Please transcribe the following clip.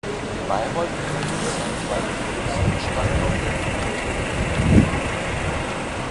In Bayreuth befindet sich ein zweiter Produktionsstandort der "Friedr.